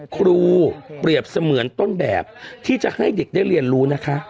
ครูเปรียบเสมือนต้นแบบที่จะให้เด็กได้เรียนรู้นะคะ